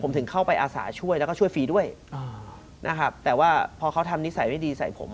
ผมถึงเข้าไปอาสาช่วยแล้วก็ช่วยฟรีด้วยนะครับแต่ว่าพอเขาทำนิสัยไม่ดีใส่ผม